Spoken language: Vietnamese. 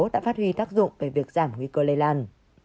đã phát huy tác dụng về việc giảm nguy cơ lây lan